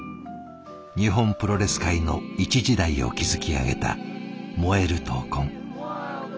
日本プロレス界の一時代を築き上げた燃える闘魂アントニオ猪木。